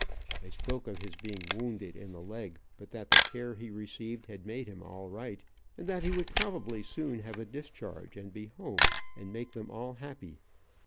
I spoke of his being wounded in the leg but that the care he received had made him all right, and that he would probably soon have a discharge, and be home, and make them all happy.